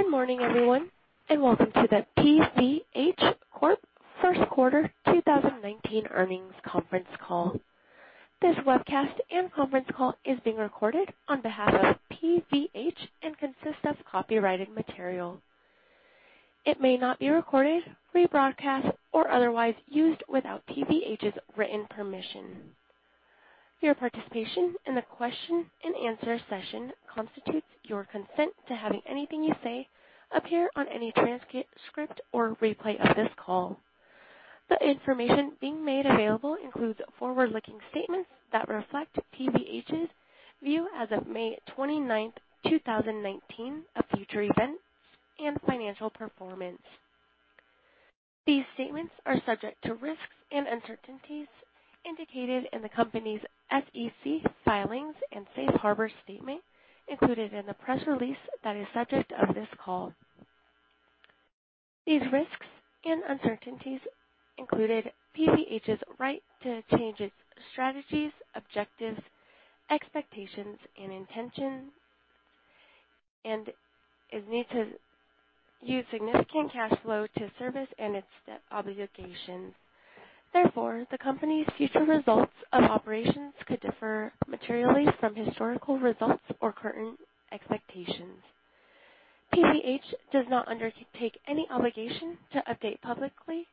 Good morning, everyone, and welcome to the PVH Corp. First Quarter 2019 Earnings Conference Call. This webcast and conference call is being recorded on behalf of PVH and consists of copyrighted material. It may not be recorded, rebroadcast, or otherwise used without PVH's written permission. Your participation in the question and answer session constitutes your consent to having anything you say appear on any transcript or replay of this call. The information being made available includes forward-looking statements that reflect PVH's view as of May 29, 2019, of future events and financial performance. These statements are subject to risks and uncertainties indicated in the company's SEC filings and safe harbor statement included in the press release that is subject of this call. These risks and uncertainties included PVH's right to change its strategies, objectives, expectations, and intentions, and its need to use significant cash flow to service and its obligations. Therefore, the company's future results of operations could differ materially from historical results or current expectations. PVH does not undertake any obligation to update publicly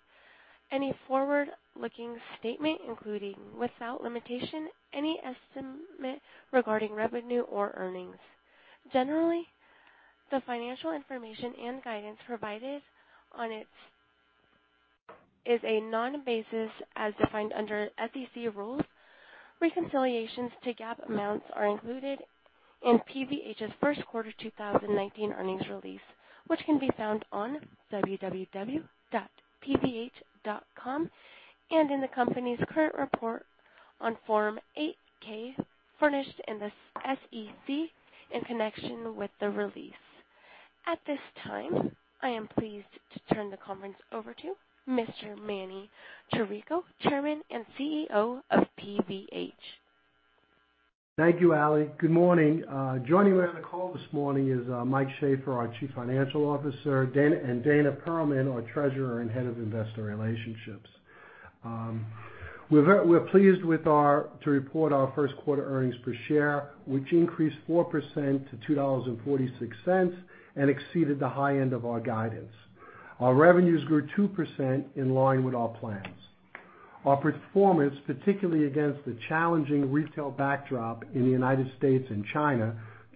any forward-looking statement, including, without limitation, any estimate regarding revenue or earnings. Generally, the financial information and guidance provided on it is on a non-GAAP basis as defined under SEC rules. Reconciliations to GAAP amounts are included in PVH's first quarter 2019 earnings release, which can be found on www.pvh.com and in the company's current report on Form 8-K furnished in the SEC in connection with the release. At this time, I am pleased to turn the conference over to Mr. Manny Chirico, Chairman and CEO of PVH. Thank you, [Ally]. Good morning. Joining me on the call this morning is Mike Shaffer, our Chief Financial Officer, and Dana Perlman, our Treasurer and Head of Investor Relations. We're pleased to report our first quarter earnings per share, which increased 4% to $2.46 and exceeded the high end of our guidance. Our revenues grew 2% in line with our plans. Our performance, particularly against the challenging retail backdrop in the U.S. and China,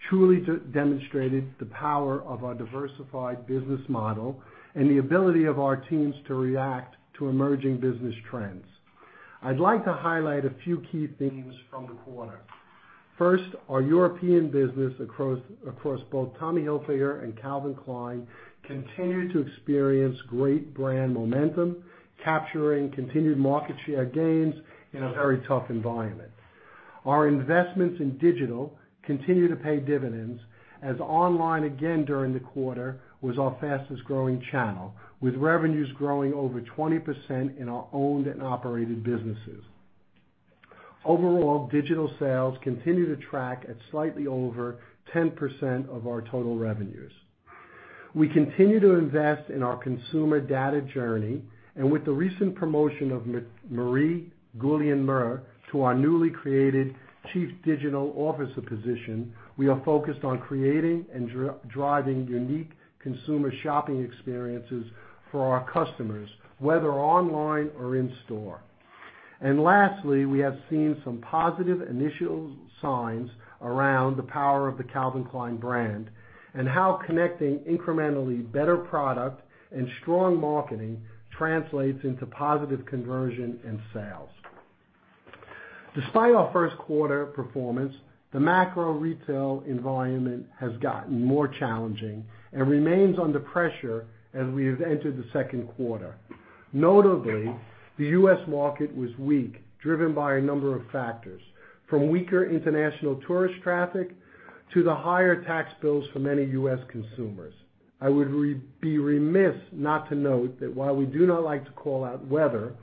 truly demonstrated the power of our diversified business model and the ability of our teams to react to emerging business trends. I'd like to highlight a few key themes from the quarter. First, our European business across both Tommy Hilfiger and Calvin Klein continued to experience great brand momentum, capturing continued market share gains in a very tough environment. Our investments in digital continue to pay dividends as online again during the quarter was our fastest-growing channel, with revenues growing over 20% in our owned and operated businesses. Overall, digital sales continue to track at slightly over 10% of our total revenues. We continue to invest in our consumer data journey, and with the recent promotion of Marie Gulin-Merle to our newly created Chief Digital Officer position, we are focused on creating and driving unique consumer shopping experiences for our customers, whether online or in store. Lastly, we have seen some positive initial signs around the power of the Calvin Klein brand and how connecting incrementally better product and strong marketing translates into positive conversion and sales. Despite our first quarter performance, the macro retail environment has gotten more challenging and remains under pressure as we have entered the second quarter. Notably, the U.S. market was weak, driven by a number of factors, from weaker international tourist traffic to the higher tax bills for many U.S. consumers. I would be remiss not to note that while we do not like to call out weather,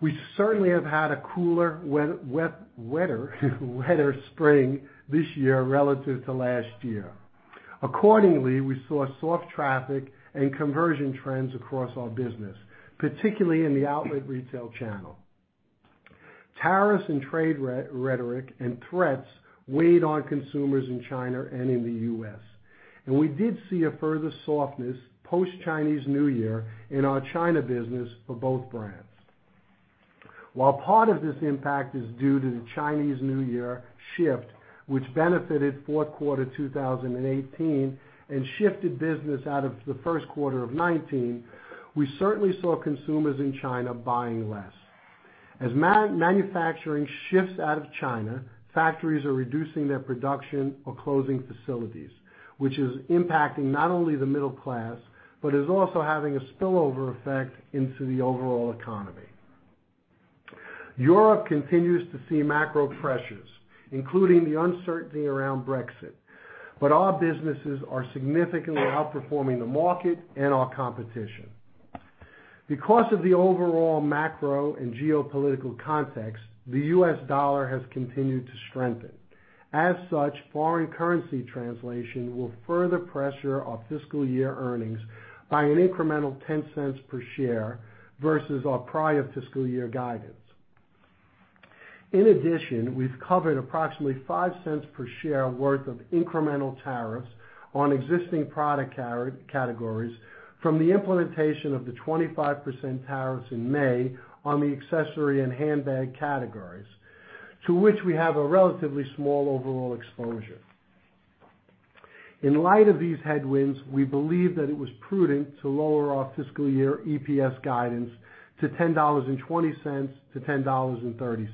we certainly have had a cooler, wetter spring this year relative to last year. Accordingly, we saw soft traffic and conversion trends across our business, particularly in the outlet retail channel. Tariffs and trade rhetoric and threats weighed on consumers in China and in the U.S. We did see a further softness post-Chinese New Year in our China business for both brands. While part of this impact is due to the Chinese New Year shift, which benefited fourth quarter 2018 and shifted business out of the first quarter of 2019, we certainly saw consumers in China buying less. As manufacturing shifts out of China, factories are reducing their production or closing facilities, which is impacting not only the middle class, but is also having a spillover effect into the overall economy. Europe continues to see macro pressures, including the uncertainty around Brexit, but our businesses are significantly outperforming the market and our competition. Because of the overall macro and geopolitical context, the U.S. dollar has continued to strengthen. As such, foreign currency translation will further pressure our fiscal year earnings by an incremental $0.10 per share versus our prior fiscal year guidance. In addition, we've covered approximately $0.05 per share worth of incremental tariffs on existing product categories from the implementation of the 25% tariffs in May on the accessory and handbag categories, to which we have a relatively small overall exposure. In light of these headwinds, we believe that it was prudent to lower our fiscal year EPS guidance to $10.20-$10.30.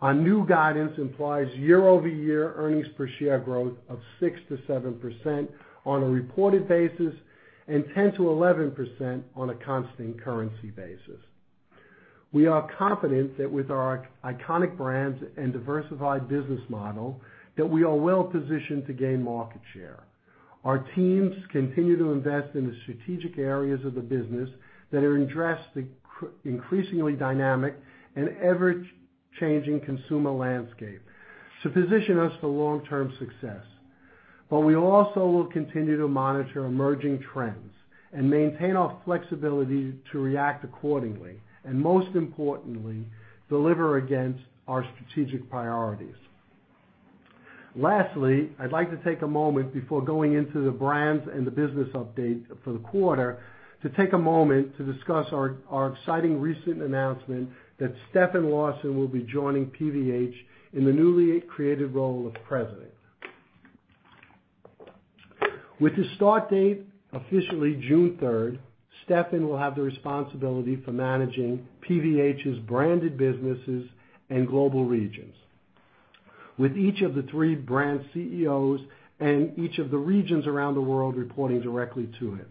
Our new guidance implies year-over-year earnings per share growth of 6%-7% on a reported basis, and 10%-11% on a constant currency basis. We are confident that with our iconic brands and diversified business model, that we are well positioned to gain market share. Our teams continue to invest in the strategic areas of the business that address the increasingly dynamic and ever-changing consumer landscape to position us for long-term success. We also will continue to monitor emerging trends and maintain our flexibility to react accordingly, and most importantly, deliver against our strategic priorities. Lastly, I'd like to take a moment before going into the brands and the business update for the quarter to take a moment to discuss our exciting recent announcement that Stefan Larsson will be joining PVH in the newly created role of President. With the start date officially June 3rd, Stefan will have the responsibility for managing PVH's branded businesses and global regions. With each of the three brand CEOs and each of the regions around the world reporting directly to him.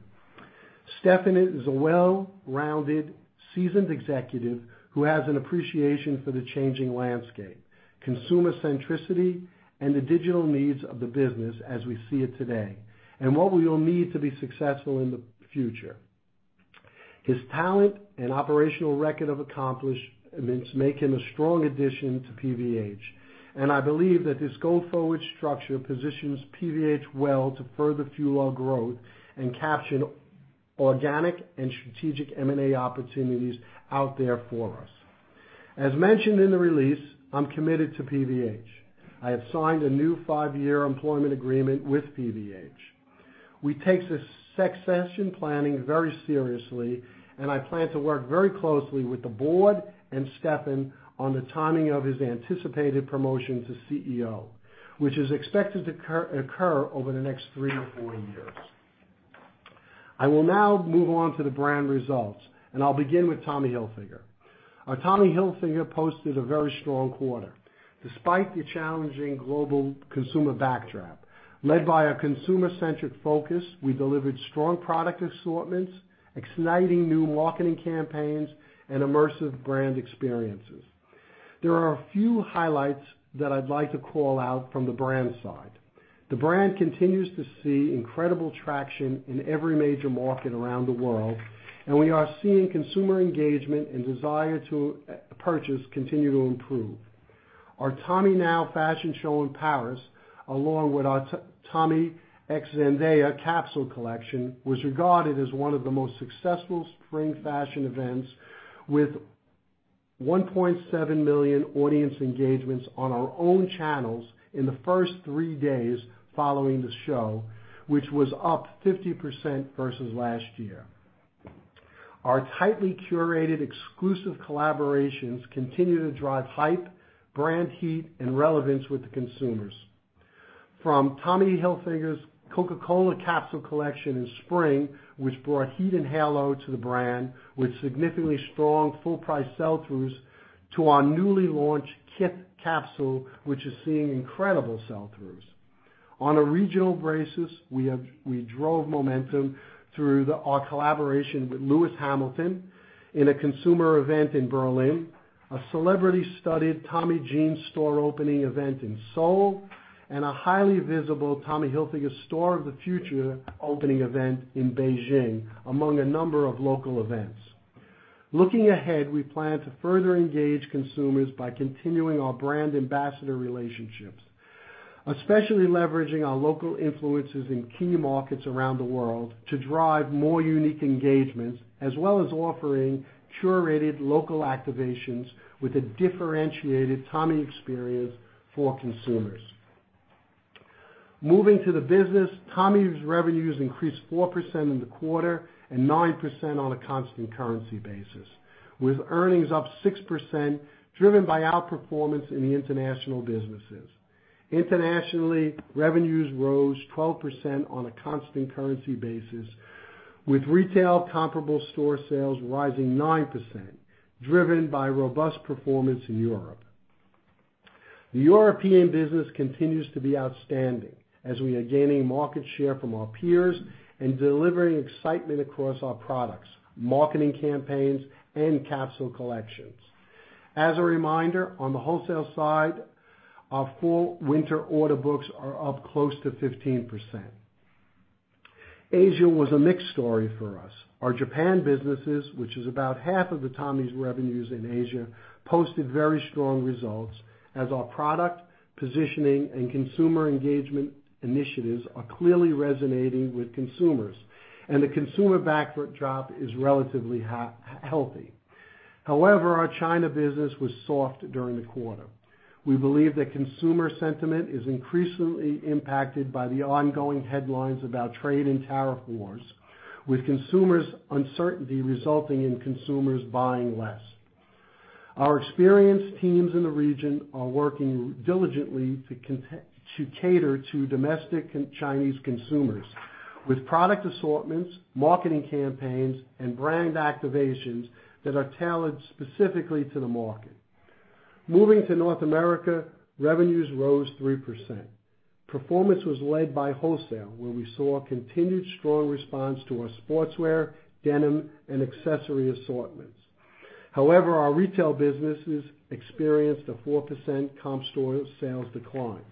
Stefan is a well-rounded, seasoned executive who has an appreciation for the changing landscape, consumer centricity, and the digital needs of the business as we see it today, and what we will need to be successful in the future. His talent and operational record of accomplishments make him a strong addition to PVH. I believe that this go-forward structure positions PVH well to further fuel our growth and capture organic and strategic M&A opportunities out there for us. As mentioned in the release, I'm committed to PVH. I have signed a new five-year employment agreement with PVH. We take succession planning very seriously, and I plan to work very closely with the board and Stefan on the timing of his anticipated promotion to CEO, which is expected to occur over the next 3 to 4 years. I will now move on to the brand results. I'll begin with Tommy Hilfiger. Our Tommy Hilfiger posted a very strong quarter. Despite the challenging global consumer backdrop, led by a consumer-centric focus, we delivered strong product assortments, exciting new marketing campaigns, and immersive brand experiences. There are a few highlights that I'd like to call out from the brand side. The brand continues to see incredible traction in every major market around the world. We are seeing consumer engagement and desire to purchase continue to improve. Our Tommy Now fashion show in Paris, along with our Tommy x Zendaya capsule collection, was regarded as one of the most successful spring fashion events with 1.7 million audience engagements on our own channels in the first three days following the show, which was up 50% versus last year. Our tightly curated exclusive collaborations continue to drive hype, brand heat, and relevance with the consumers. From Tommy Hilfiger's Coca-Cola capsule collection in spring, which brought heat and halo to the brand with significantly strong full-price sell-throughs, to our newly launched Kith capsule, which is seeing incredible sell-throughs. On a regional basis, we drove momentum through our collaboration with Lewis Hamilton in a consumer event in Berlin, a celebrity-studded Tommy Jeans store opening event in Seoul, a highly visible Tommy Hilfiger store of the future opening event in Beijing, among a number of local events. Looking ahead, we plan to further engage consumers by continuing our brand ambassador relationships, especially leveraging our local influencers in key markets around the world to drive more unique engagements, as well as offering curated local activations with a differentiated Tommy experience for consumers. Moving to the business, Tommy's revenues increased 4% in the quarter and 9% on a constant currency basis, with earnings up 6%, driven by outperformance in the international businesses. Internationally, revenues rose 12% on a constant currency basis, with retail comparable store sales rising 9%, driven by robust performance in Europe. The European business continues to be outstanding as we are gaining market share from our peers and delivering excitement across our products, marketing campaigns, and capsule collections. As a reminder, on the wholesale side, our full winter order books are up close to 15%. Asia was a mixed story for us. Our Japan businesses, which is about half of Tommy's revenues in Asia, posted very strong results as our product positioning and consumer engagement initiatives are clearly resonating with consumers. The consumer backdrop is relatively healthy. However, our China business was soft during the quarter. We believe that consumer sentiment is increasingly impacted by the ongoing headlines about trade and tariff wars, with consumers' uncertainty resulting in consumers buying less. Our experienced teams in the region are working diligently to cater to domestic Chinese consumers with product assortments, marketing campaigns, and brand activations that are tailored specifically to the market. Moving to North America, revenues rose 3%. Performance was led by wholesale, where we saw a continued strong response to our sportswear, denim, and accessory assortments. However, our retail businesses experienced a 4% comp store sales decline.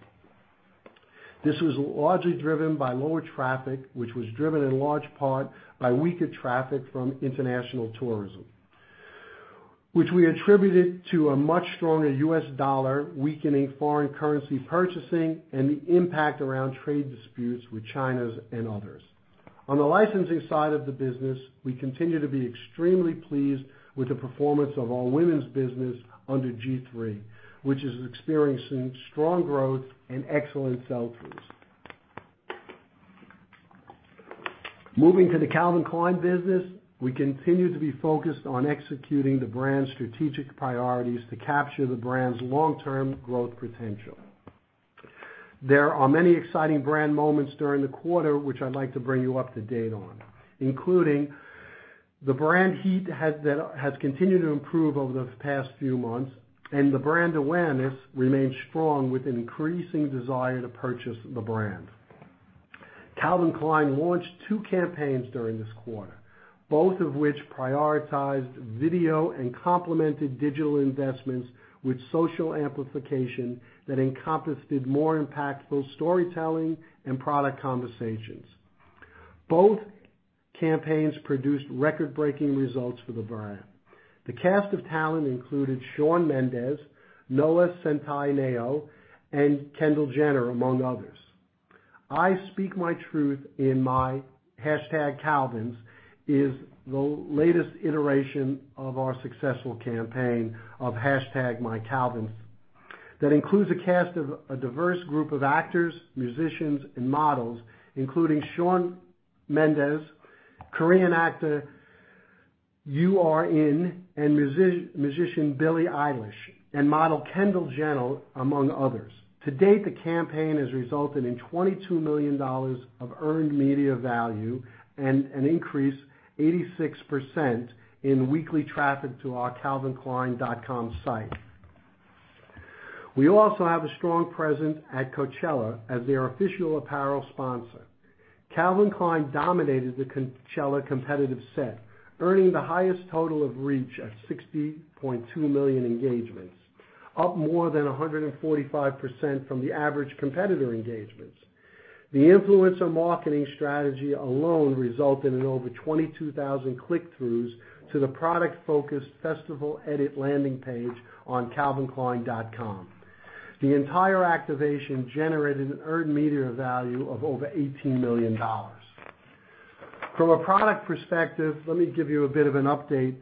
This was largely driven by lower traffic, which was driven in large part by weaker traffic from international tourism, which we attributed to a much stronger US dollar weakening foreign currency purchasing, and the impact around trade disputes with China and others. On the licensing side of the business, we continue to be extremely pleased with the performance of our women's business under G-III, which is experiencing strong growth and excellent sell-throughs. Moving to the Calvin Klein business, we continue to be focused on executing the brand's strategic priorities to capture the brand's long-term growth potential. There are many exciting brand moments during the quarter which I'd like to bring you up to date on, including the brand heat that has continued to improve over the past few months, and the brand awareness remains strong with an increasing desire to purchase the brand. Calvin Klein launched two campaigns during this quarter, both of which prioritized video and complemented digital investments with social amplification that encompassed more impactful storytelling and product conversations. Both campaigns produced record-breaking results for the brand. The cast of talent included Shawn Mendes, Noah Centineo, and Kendall Jenner, among others. "I speak my truth in my #Calvins" is the latest iteration of our successful campaign of #MyCalvins that includes a cast of a diverse group of actors, musicians, and models, including Shawn Mendes, Korean actor Yoo Ah-in, and musician Billie Eilish, and model Kendall Jenner, among others. To date, the campaign has resulted in $22 million of earned media value and an increase 86% in weekly traffic to our calvinklein.com site. We also have a strong presence at Coachella as their official apparel sponsor. Calvin Klein dominated the Coachella competitive set, earning the highest total of reach at 60.2 million engagements, up more than 145% from the average competitor engagements. The influencer marketing strategy alone resulted in over 22,000 click-throughs to the product-focused festival edit landing page on calvinklein.com. The entire activation generated an earned media value of over $18 million. From a product perspective, let me give you a bit of an update.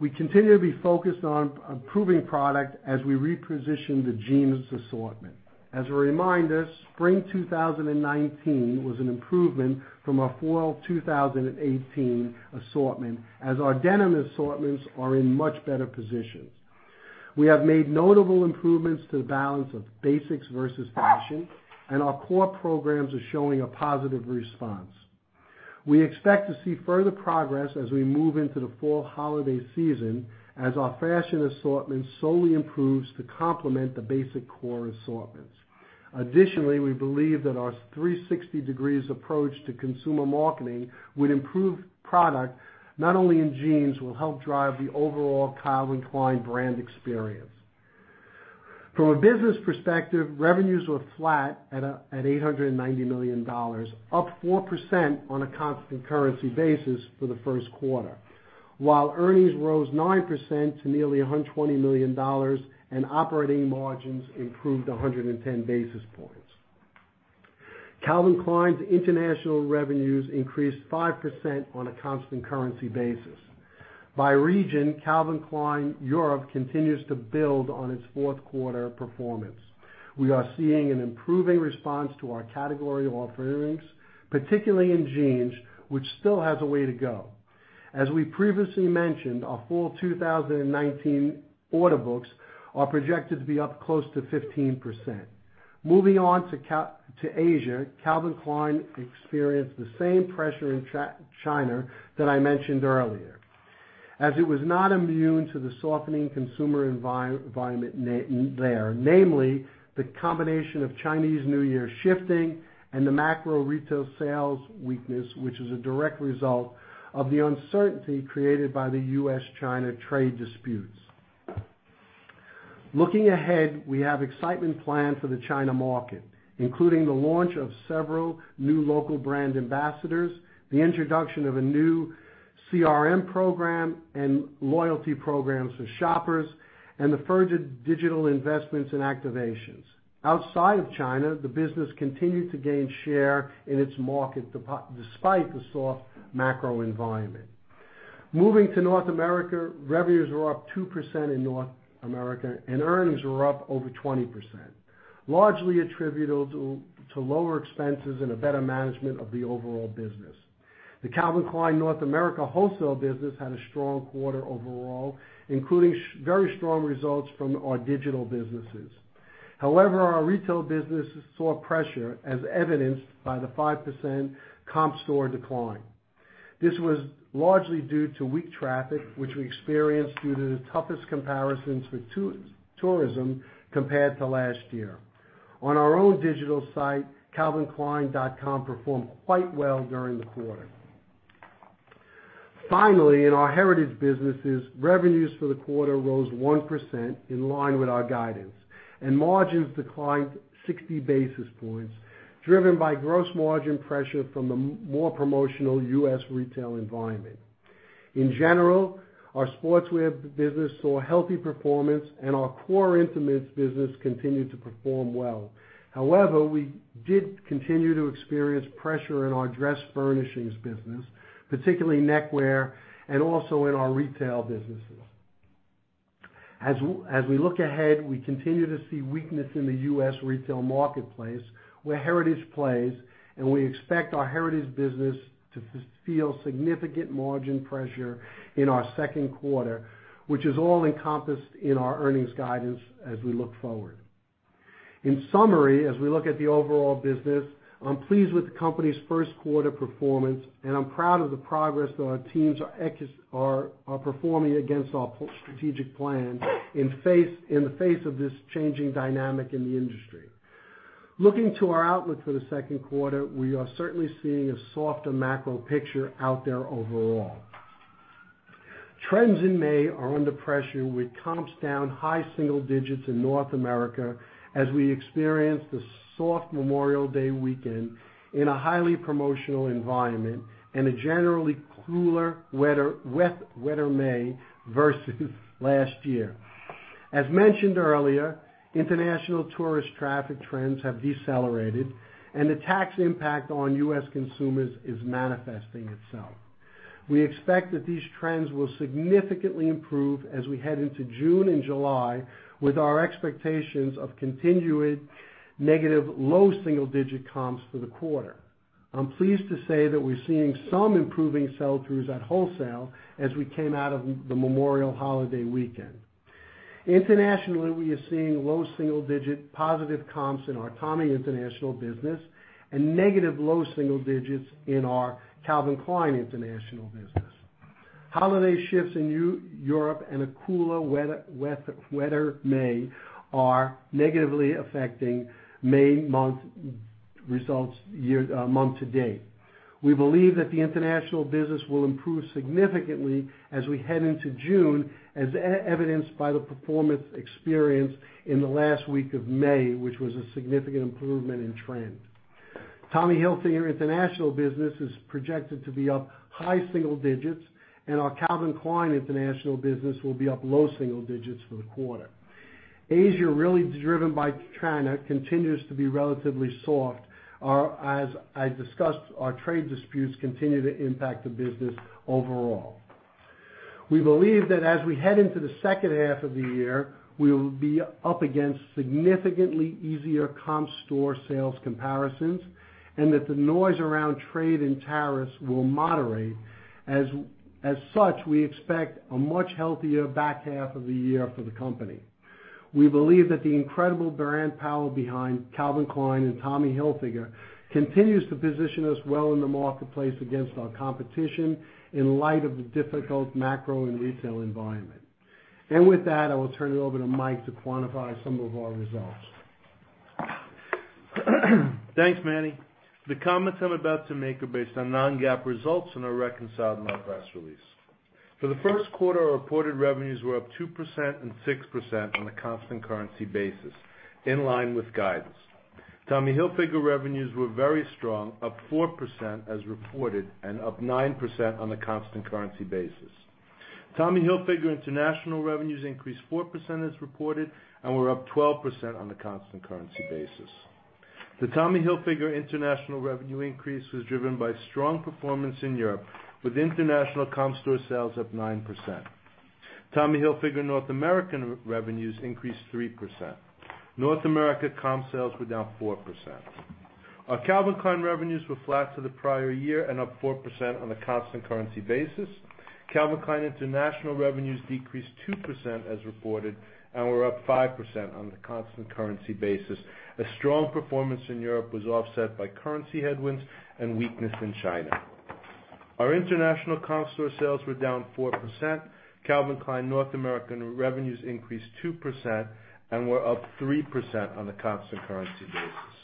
We continue to be focused on improving product as we reposition the jeans assortment. As a reminder, spring 2019 was an improvement from our fall 2018 assortment, as our denim assortments are in much better positions. We have made notable improvements to the balance of basics versus fashion, and our core programs are showing a positive response. We expect to see further progress as we move into the fall holiday season, as our fashion assortment slowly improves to complement the basic core assortments. Additionally, we believe that our 360-degrees approach to consumer marketing with improved product, not only in jeans, will help drive the overall Calvin Klein brand experience. From a business perspective, revenues were flat at $890 million, up 4% on a constant currency basis for the first quarter. While earnings rose 9% to nearly $120 million and operating margins improved 110 basis points. Calvin Klein's international revenues increased 5% on a constant currency basis. By region, Calvin Klein Europe continues to build on its fourth-quarter performance. We are seeing an improving response to our category offerings, particularly in jeans, which still has a way to go. As we previously mentioned, our fall 2019 order books are projected to be up close to 15%. Moving on to Asia, Calvin Klein experienced the same pressure in China that I mentioned earlier, as it was not immune to the softening consumer environment there, namely the combination of Chinese New Year shifting and the macro retail sales weakness, which is a direct result of the uncertainty created by the U.S.-China trade disputes. Looking ahead, we have excitement planned for the China market, including the launch of several new local brand ambassadors, the introduction of a new CRM program and loyalty programs for shoppers, and the further digital investments and activations. Outside of China, the business continued to gain share in its market, despite the soft macro environment. Moving to North America, revenues were up 2% in North America, and earnings were up over 20%, largely attributable to lower expenses and a better management of the overall business. The Calvin Klein North America wholesale business had a strong quarter overall, including very strong results from our digital businesses. However, our retail business saw pressure as evidenced by the 5% comp store decline. This was largely due to weak traffic, which we experienced due to the toughest comparisons with tourism compared to last year. On our own digital site, calvinklein.com performed quite well during the quarter. Finally, in our heritage businesses, revenues for the quarter rose 1%, in line with our guidance, and margins declined 60 basis points, driven by gross margin pressure from the more promotional U.S. retail environment. In general, our sportswear business saw healthy performance, and our core intimates business continued to perform well. However, we did continue to experience pressure in our dress furnishings business, particularly neckwear, and also in our retail businesses. As we look ahead, we continue to see weakness in the U.S. retail marketplace where heritage plays, and we expect our heritage business to feel significant margin pressure in our second quarter, which is all encompassed in our earnings guidance as we look forward. In summary, as we look at the overall business, I'm pleased with the company's first quarter performance, and I'm proud of the progress that our teams are performing against our strategic plan in the face of this changing dynamic in the industry. Looking to our outlook for the second quarter, we are certainly seeing a softer macro picture out there overall. Trends in May are under pressure, with comps down high single digits in North America, as we experience the soft Memorial Day weekend in a highly promotional environment and a generally cooler, wetter May versus last year. As mentioned earlier, international tourist traffic trends have decelerated, and the tax impact on U.S. consumers is manifesting itself. We expect that these trends will significantly improve as we head into June and July, with our expectations of continuing negative low single-digit comps for the quarter. I'm pleased to say that we're seeing some improving sell-throughs at wholesale as we came out of the Memorial holiday weekend. Internationally, we are seeing low single-digit positive comps in our Tommy international business and negative low single digits in our Calvin Klein international business. Holiday shifts in Europe and a cooler, wetter May are negatively affecting May month-to-date results. We believe that the international business will improve significantly as we head into June, as evidenced by the performance experienced in the last week of May, which was a significant improvement in trend. Tommy Hilfiger international business is projected to be up high single digits, and our Calvin Klein international business will be up low single digits for the quarter. Asia, really driven by China, continues to be relatively soft. As I discussed, our trade disputes continue to impact the business overall. We believe that as we head into the second half of the year, we will be up against significantly easier comp store sales comparisons and that the noise around trade and tariffs will moderate. As such, we expect a much healthier back half of the year for the company. We believe that the incredible brand power behind Calvin Klein and Tommy Hilfiger continues to position us well in the marketplace against our competition in light of the difficult macro and retail environment. With that, I will turn it over to Mike to quantify some of our results. Thanks, Manny. The comments I'm about to make are based on non-GAAP results and are reconciled in our press release. For the first quarter, our reported revenues were up 2% and 6% on a constant currency basis, in line with guidance. Tommy Hilfiger revenues were very strong, up 4% as reported, and up 9% on a constant currency basis. Tommy Hilfiger international revenues increased 4% as reported and were up 12% on the constant currency basis. The Tommy Hilfiger international revenue increase was driven by strong performance in Europe, with international comp store sales up 9%. Tommy Hilfiger North American revenues increased 3%. North America comp sales were down 4%. Our Calvin Klein revenues were flat to the prior year and up 4% on a constant currency basis. Calvin Klein international revenues decreased 2% as reported and were up 5% on the constant currency basis. A strong performance in Europe was offset by currency headwinds and weakness in China. Our international comp store sales were down 4%. Calvin Klein North American revenues increased 2% and were up 3% on a constant currency basis.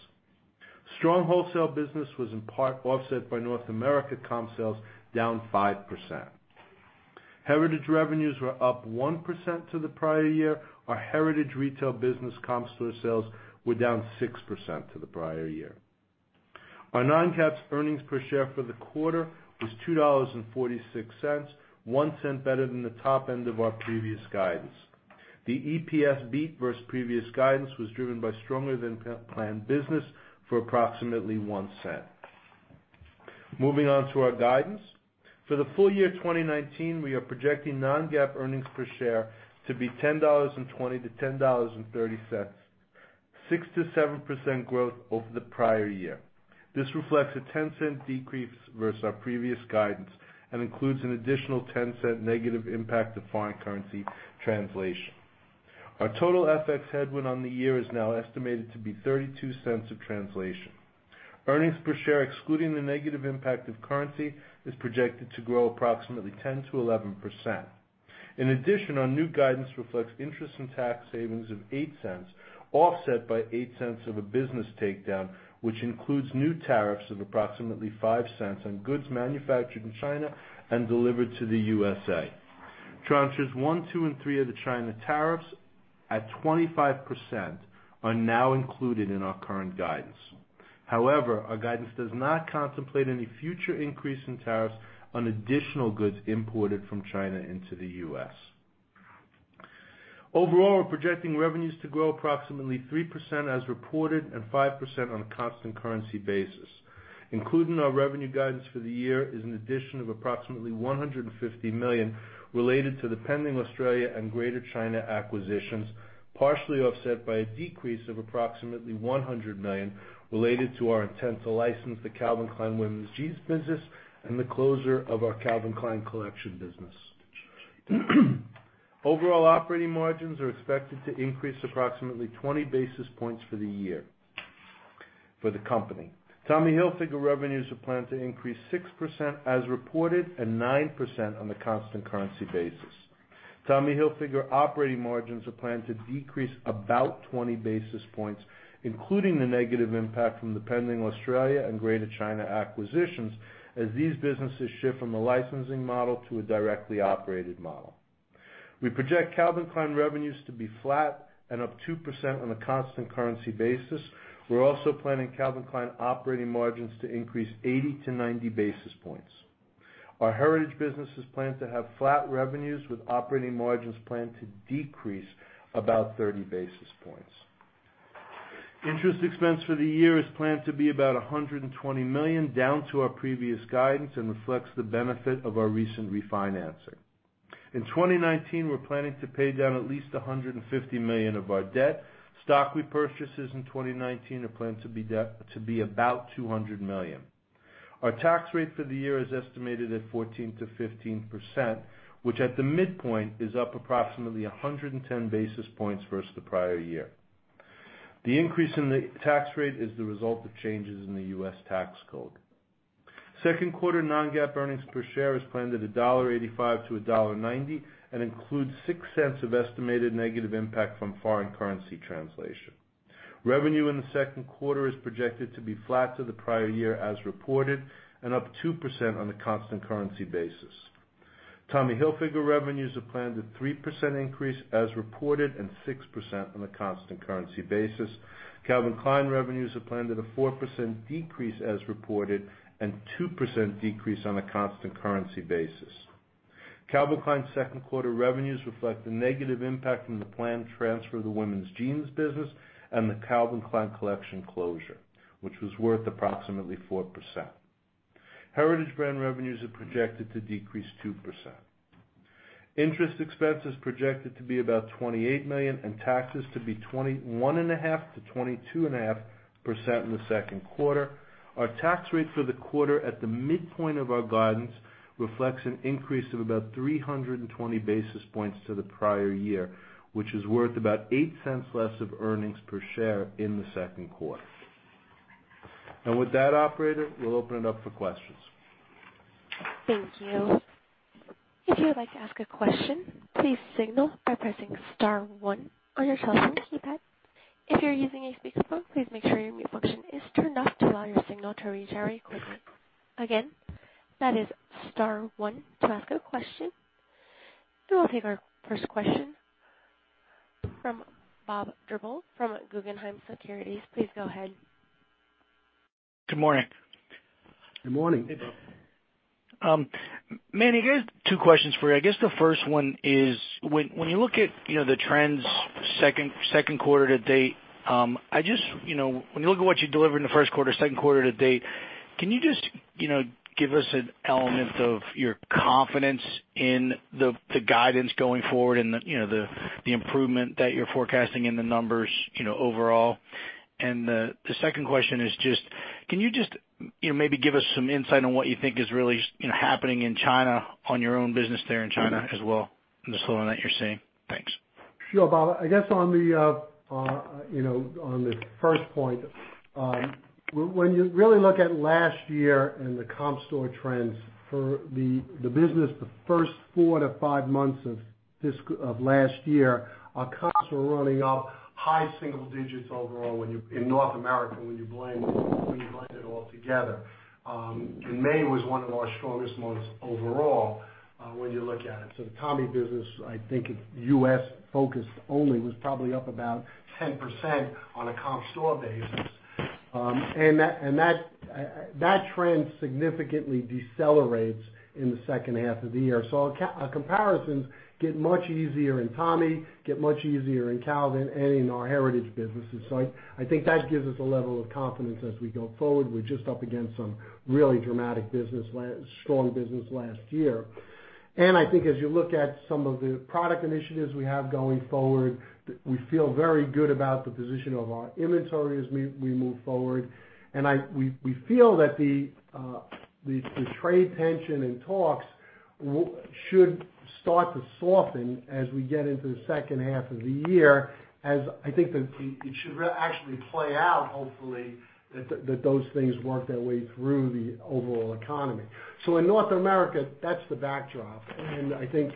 Strong wholesale business was in part offset by North America comp sales down 5%. Heritage revenues were up 1% to the prior year. Our Heritage retail business comp store sales were down 6% to the prior year. Our non-GAAP earnings per share for the quarter was $2.46, $0.01 better than the top end of our previous guidance. The EPS beat versus previous guidance was driven by stronger than planned business for approximately $0.01. Moving on to our guidance. For the full year 2019, we are projecting non-GAAP earnings per share to be $10.20-$10.30, 6%-7% growth over the prior year. This reflects a $0.10 decrease versus our previous guidance and includes an additional $0.10 negative impact of foreign currency translation. Our total FX headwind on the year is now estimated to be $0.32 of translation. Earnings per share excluding the negative impact of currency, is projected to grow approximately 10%-11%. In addition, our new guidance reflects interest and tax savings of $0.08, offset by $0.08 of a business takedown, which includes new tariffs of approximately $0.05 on goods manufactured in China and delivered to the U.S.A. ranches 1, 2, and 3 of the China tariffs at 25% are now included in our current guidance. However, our guidance does not contemplate any future increase in tariffs on additional goods imported from China into the U.S. Overall, we're projecting revenues to grow approximately 3% as reported and 5% on a constant currency basis. Including our revenue guidance for the year is an addition of approximately $150 million related to the pending Australia and Greater China acquisitions, partially offset by a decrease of approximately $100 million related to our intent to license the Calvin Klein women's jeans business and the closure of our Calvin Klein Collection business. Overall operating margins are expected to increase approximately 20 basis points for the year for the company. Tommy Hilfiger revenues are planned to increase 6% as reported and 9% on the constant currency basis. Tommy Hilfiger operating margins are planned to decrease about 20 basis points, including the negative impact from the pending Australia and Greater China acquisitions, as these businesses shift from a licensing model to a directly operated model. We project Calvin Klein revenues to be flat and up 2% on a constant currency basis. We're also planning Calvin Klein operating margins to increase 80-90 basis points. Our Heritage business is planned to have flat revenues with operating margins planned to decrease about 30 basis points. Interest expense for the year is planned to be about $120 million, down to our previous guidance and reflects the benefit of our recent refinancing. In 2019, we're planning to pay down at least $150 million of our debt. Stock repurchases in 2019 are planned to be about $200 million. Our tax rate for the year is estimated at 14%-15%, which at the midpoint is up approximately 110 basis points versus the prior year. The increase in the tax rate is the result of changes in the U.S. tax code. Second quarter non-GAAP earnings per share is planned at $1.85-$1.90 and includes $0.06 of estimated negative impact from foreign currency translation. Revenue in the second quarter is projected to be flat to the prior year as reported and up 2% on a constant currency basis. Tommy Hilfiger revenues are planned at 3% increase as reported, and 6% on a constant currency basis. Calvin Klein revenues are planned at a 4% decrease as reported and 2% decrease on a constant currency basis. Calvin Klein second quarter revenues reflect the negative impact from the planned transfer of the women's jeans business and the Calvin Klein Collection closure, which was worth approximately 4%. Heritage Brand revenues are projected to decrease 2%. Interest expense is projected to be about $28 million and taxes to be 21.5%-22.5% in the second quarter. Our tax rate for the quarter at the midpoint of our guidance reflects an increase of about 320 basis points to the prior year, which is worth about $0.08 less of earnings per share in the second quarter. With that operator, we'll open it up for questions. Thank you. If you would like to ask a question, please signal by pressing *1 on your telephone keypad. If you're using a speakerphone, please make sure your mute function is turned off to allow your signal to reach our equipment. Again, that is *1 to ask a question. We will take our first question from Bob Drbul, from Guggenheim Securities. Please go ahead. Good morning. Good morning. Hey, Bob. Manny, I guess two questions for you. I guess the first one is, when you look at the trends second quarter to date, when you look at what you delivered in the first quarter, second quarter to date, can you just give us an element of your confidence in the guidance going forward and the improvement that you're forecasting in the numbers overall? The second question is just, can you just maybe give us some insight on what you think is really happening in China on your own business there in China as well, and the slowing that you're seeing? Thanks. Sure, Bob. I guess on the first point, when you really look at last year and the comp store trends for the business, the first four to five months of last year, our comps were running up high single digits overall in North America when you blend it all together. May was one of our strongest months overall when you look at it. The Tommy business, I think its U.S. focus only was probably up about 10% on a comp store basis. That trend significantly decelerates in the second half of the year. Comparisons get much easier in Tommy, get much easier in Calvin and in our heritage businesses. I think that gives us a level of confidence as we go forward. We're just up against some really dramatic strong business last year. I think as you look at some of the product initiatives we have going forward, we feel very good about the position of our inventory as we move forward. We feel that the trade tension and talks should start to soften as we get into the second half of the year, as I think that it should actually play out, hopefully, that those things work their way through the overall economy. In North America, that's the backdrop. I think,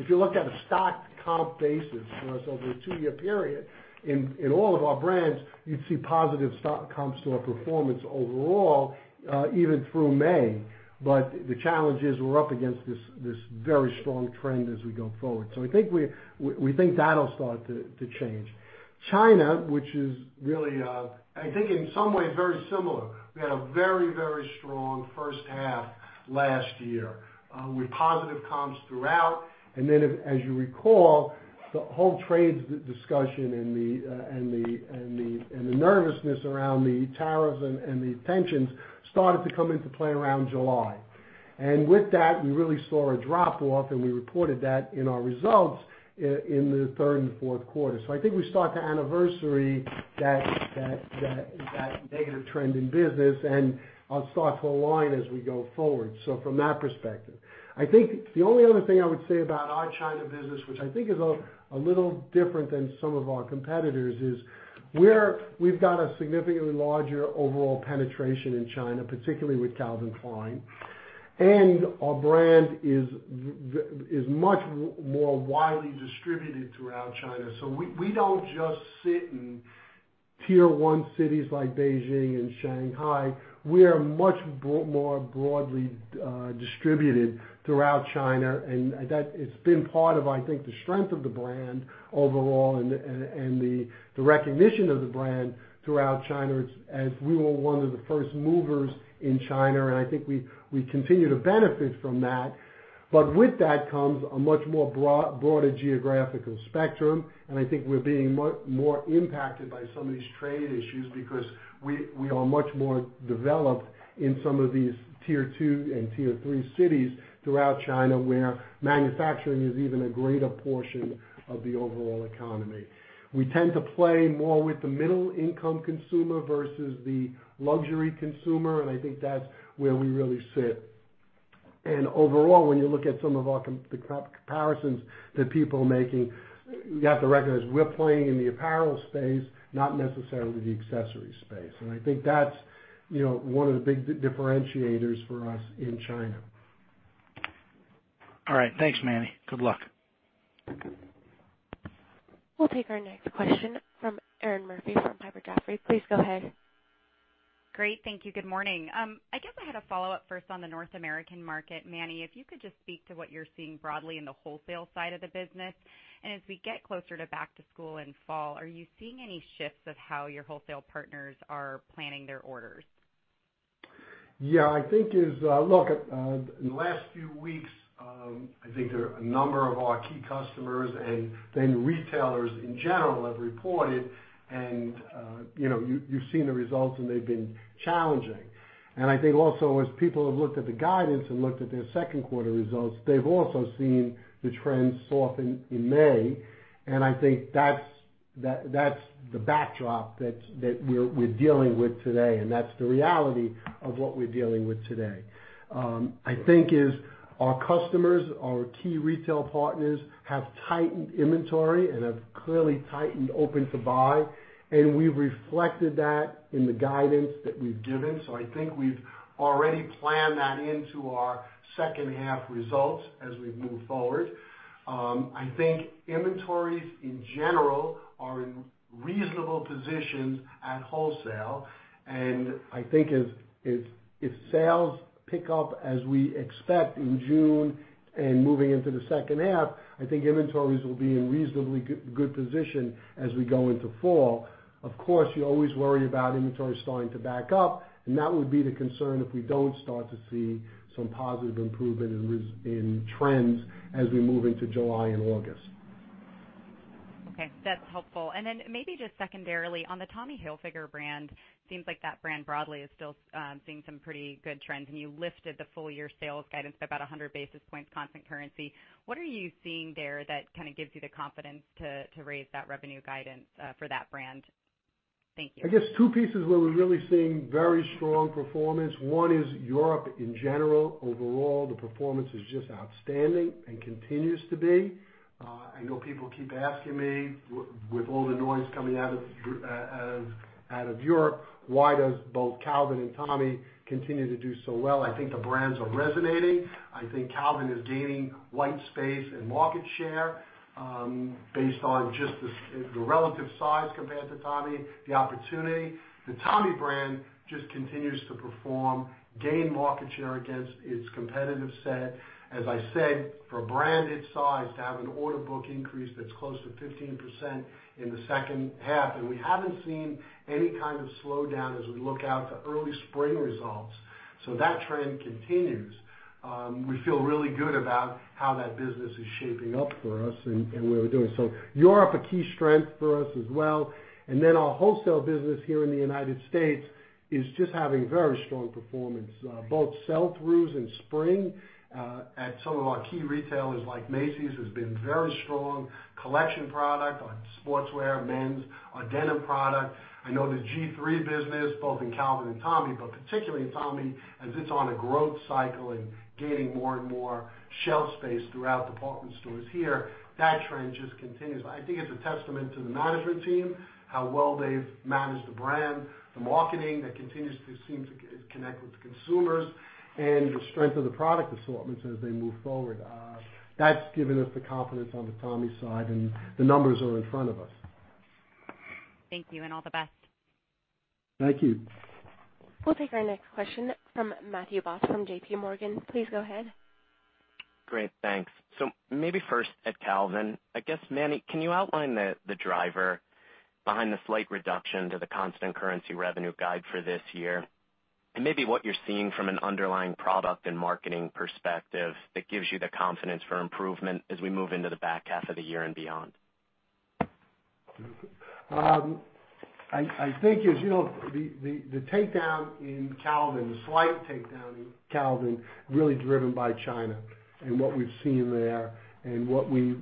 if you looked at a stock comp basis for us over a two-year period in all of our brands, you'd see positive comp store performance overall, even through May. The challenge is we're up against this very strong trend as we go forward. We think that'll start to change. China, which is really, I think in some ways, very similar. We had a very strong first half last year, with positive comps throughout. As you recall, the whole trades discussion and the nervousness around the tariffs and the tensions started to come into play around July. With that, we really saw a drop-off, and we reported that in our results in the third and fourth quarter. I think we start to anniversary that negative trend in business, and it'll start to align as we go forward. From that perspective. I think the only other thing I would say about our China business, which I think is a little different than some of our competitors, is we've got a significantly larger overall penetration in China, particularly with Calvin Klein. Our brand is much more widely distributed throughout China. We don't just sit in tier 1 cities like Beijing and Shanghai. We are much more broadly distributed throughout China, that it's been part of, I think, the strength of the brand overall and the recognition of the brand throughout China as we were one of the first movers in China. I think we continue to benefit from that. With that comes a much more broader geographical spectrum, I think we're being more impacted by some of these trade issues because we are much more developed in some of these tier 2 and tier 3 cities throughout China, where manufacturing is even a greater portion of the overall economy. We tend to play more with the middle-income consumer versus the luxury consumer, I think that's where we really sit. Overall, when you look at some of the comparisons that people are making, you have to recognize we're playing in the apparel space, not necessarily the accessories space. I think that's one of the big differentiators for us in China. All right. Thanks, Manny. Good luck. We'll take our next question from Erinn Murphy from Piper Sandler. Please go ahead. Great. Thank you. Good morning. I guess I had a follow-up first on the North American market. Manny, if you could just speak to what you're seeing broadly in the wholesale side of the business. As we get closer to back to school in fall, are you seeing any shifts of how your wholesale partners are planning their orders? Yeah, I think in the last few weeks, I think there are a number of our key customers and then retailers in general have reported and you've seen the results and they've been challenging. I think also as people have looked at the guidance and looked at their second quarter results, they've also seen the trends soften in May. I think that's the backdrop that we're dealing with today, and that's the reality of what we're dealing with today. I think our customers, our key retail partners, have tightened inventory and have clearly tightened open to buy, and we've reflected that in the guidance that we've given. I think we've already planned that into our second half results as we move forward. I think inventories in general are in reasonable positions at wholesale. I think if sales pick up as we expect in June and moving into the second half, I think inventories will be in reasonably good position as we go into fall. Of course, you always worry about inventory starting to back up, that would be the concern if we don't start to see some positive improvement in trends as we move into July and August. Okay. That's helpful. Maybe just secondarily, on the Tommy Hilfiger brand, seems like that brand broadly is still seeing some pretty good trends. You lifted the full-year sales guidance by about 100 basis points constant currency. What are you seeing there that gives you the confidence to raise that revenue guidance for that brand? Thank you. I guess two pieces where we're really seeing very strong performance. One is Europe in general. Overall, the performance is just outstanding and continues to be. I know people keep asking me, with all the noise coming out of Europe, why does both Calvin and Tommy continue to do so well? I think the brands are resonating. I think Calvin is gaining white space and market share, based on just the relative size compared to Tommy, the opportunity. The Tommy brand just continues to perform, gain market share against its competitive set. As I said, for a brand its size, to have an order book increase that's close to 15% in the second half, and we haven't seen any kind of slowdown as we look out to early spring results. That trend continues. We feel really good about how that business is shaping up for us and where we're doing. Europe, a key strength for us as well. Our wholesale business here in the United States is just having very strong performance. Both sell-throughs in spring, at some of our key retailers like Macy's, has been very strong. Collection product, our sportswear, men's, our denim product. I know the G-III business, both in Calvin and Tommy, but particularly in Tommy, as it's on a growth cycle and gaining more and more shelf space throughout department stores here, that trend just continues. I think it's a testament to the management team, how well they've managed the brand, the marketing that continues to seem to connect with consumers, and the strength of the product assortments as they move forward. That's given us the confidence on the Tommy side, the numbers are in front of us. Thank you, and all the best. Thank you. We'll take our next question from Matthew Boss from JPMorgan. Please go ahead. Great. Thanks. Maybe first at Calvin, I guess, Manny, can you outline the driver behind the slight reduction to the constant currency revenue guide for this year? And maybe what you're seeing from an underlying product and marketing perspective that gives you the confidence for improvement as we move into the back half of the year and beyond. I think as you know, the takedown in Calvin, the slight takedown in Calvin, really driven by China and what we've seen there and what we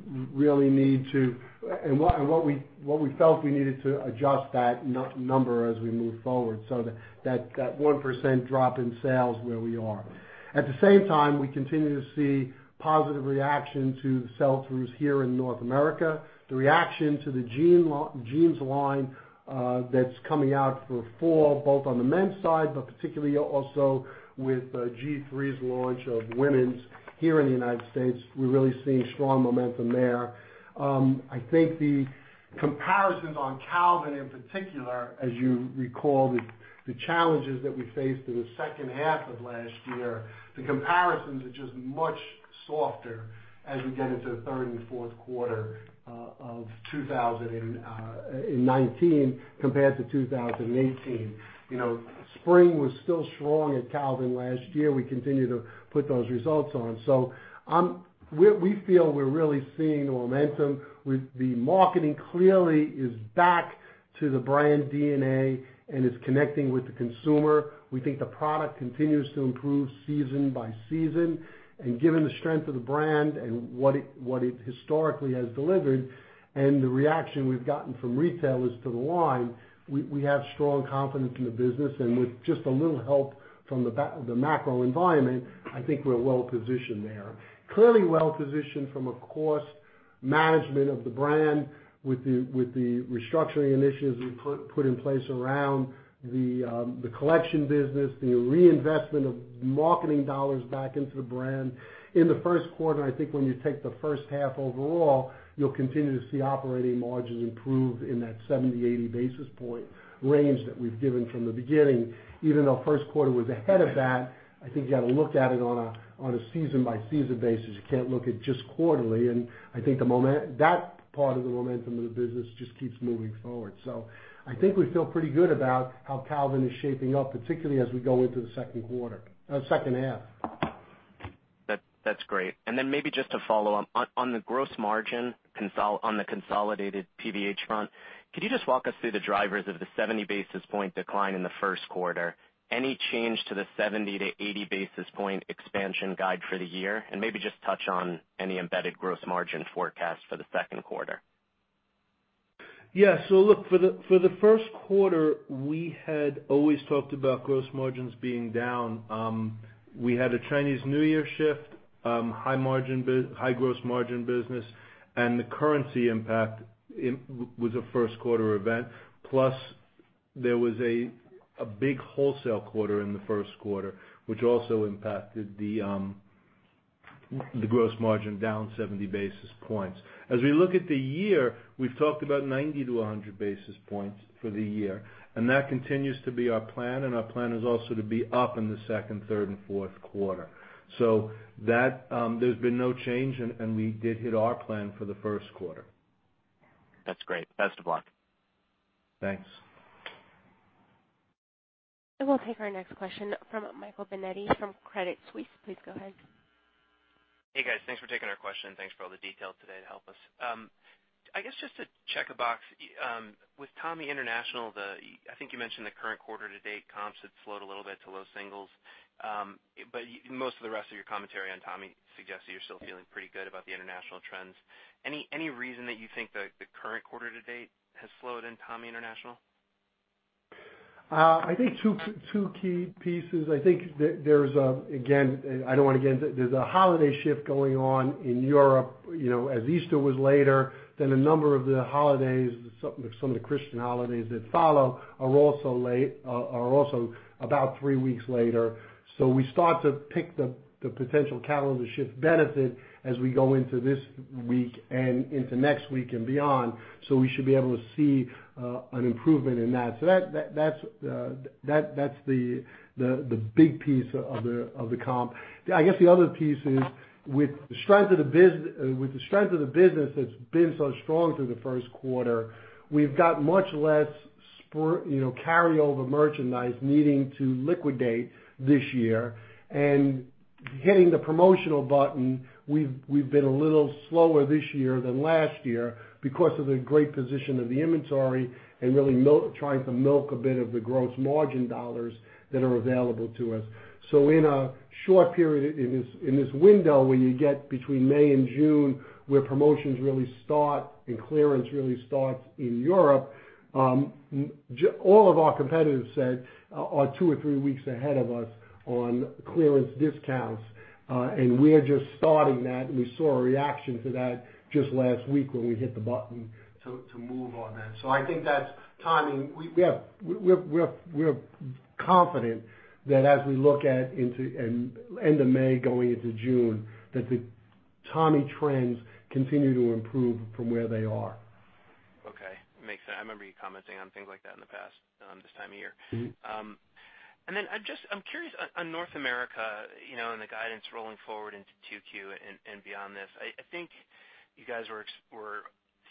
felt we needed to adjust that number as we move forward, so that 1% drop in sales where we are. At the same time, we continue to see positive reaction to the sell-throughs here in North America. The reaction to the jeans line that's coming out for fall, both on the men's side, but particularly also with G-III's launch of women's here in the United States. We're really seeing strong momentum there. I think the comparisons on Calvin in particular, as you recall, the challenges that we faced in the second half of last year, the comparisons are just much softer as we get into the third and fourth quarter of 2019 compared to 2018. spring was still strong at Calvin last year. We continue to put those results on. We feel we're really seeing the momentum. The marketing clearly is back to the brand DNA and is connecting with the consumer. We think the product continues to improve season by season. Given the strength of the brand and what it historically has delivered and the reaction we've gotten from retailers to the line, we have strong confidence in the business, and with just a little help from the macro environment, I think we're well positioned there. Clearly well positioned from a cost management of the brand with the restructuring initiatives we put in place around the Collection business, the reinvestment of marketing dollars back into the brand. In the first quarter, I think when you take the first half overall, you'll continue to see operating margins improve in that 70-80 basis point range that we've given from the beginning. Even though first quarter was ahead of that, I think you got to look at it on a season-by-season basis. You can't look at just quarterly, I think that part of the momentum of the business just keeps moving forward. I think we feel pretty good about how Calvin is shaping up, particularly as we go into the second half. That's great. Then maybe just to follow up. On the gross margin on the consolidated PVH front, could you just walk us through the drivers of the 70 basis point decline in the first quarter? Any change to the 70-80 basis point expansion guide for the year? Maybe just touch on any embedded gross margin forecast for the second quarter. Look, for the first quarter, we had always talked about gross margins being down. We had a Chinese New Year shift, high gross margin business, and the currency impact was a first quarter event. Plus, there was a big wholesale quarter in the first quarter, which also impacted the gross margin down 70 basis points. As we look at the year, we've talked about 90 to 100 basis points for the year, and that continues to be our plan, and our plan is also to be up in the second, third, and fourth quarter. There's been no change, and we did hit our plan for the first quarter. That's great. Best of luck. Thanks. We'll take our next question from Michael Binetti from Credit Suisse. Please go ahead. Hey, guys. Thanks for taking our question, and thanks for all the detail today to help us. I guess just to check a box, with Tommy International, I think you mentioned the current quarter to date comps had slowed a little bit to low singles. Most of the rest of your commentary on Tommy suggests that you're still feeling pretty good about the international trends. Any reason that you think the current quarter to date has slowed in Tommy International? There's a holiday shift going on in Europe, as Easter was later than a number of the holidays, some of the Christian holidays that follow are also about 3 weeks later. We start to pick the potential calendar shift benefit as we go into this week and into next week and beyond. We should be able to see an improvement in that. That's the big piece of the comp. I guess the other piece is with the strength of the business that's been so strong through the first quarter, we've got much less carryover merchandise needing to liquidate this year and hitting the promotional button. We've been a little slower this year than last year because of the great position of the inventory and really trying to milk a bit of the gross margin dollars that are available to us. In a short period in this window, where you get between May and June, where promotions really start and clearance really starts in Europe. All of our competitors set are 2 or 3 weeks ahead of us on clearance discounts. We're just starting that, and we saw a reaction to that just last week when we hit the button to move on that. I think that's timing. We're confident that as we look at into end of May, going into June, that the Tommy trends continue to improve from where they are. Okay. Makes sense. I remember you commenting on things like that in the past this time of year. I'm curious on North America, and the guidance rolling forward into 2Q and beyond this. I think you guys were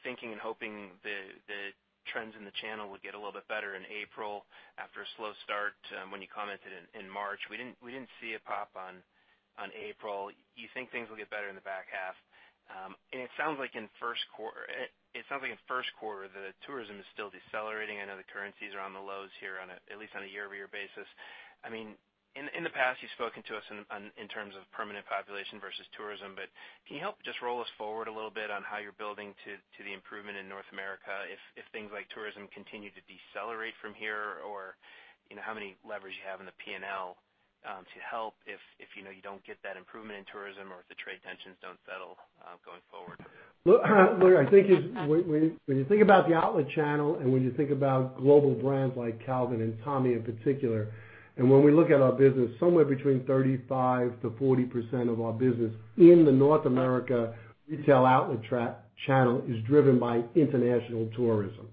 thinking and hoping the trends in the channel would get a little bit better in April after a slow start when you commented in March. We didn't see a pop on April. You think things will get better in the back half? It sounds like in first quarter, the tourism is still decelerating. I know the currencies are on the lows here on a, at least on a year-over-year basis. In the past, you've spoken to us in terms of permanent population versus tourism, but can you help just roll us forward a little bit on how you're building to the improvement in North America? If things like tourism continue to decelerate from here, or how many levers you have in the P&L to help if you know you don't get that improvement in tourism or if the trade tensions don't settle, going forward. Look, I think when you think about the outlet channel and when you think about global brands like Calvin and Tommy in particular, and when we look at our business, somewhere between 35%-40% of our business in the North America retail outlet channel is driven by international tourism.